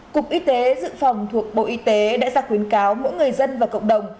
cục y tế dự phòng thuộc bộ y tế đã ra khuyến cáo mỗi người dân và cộng đồng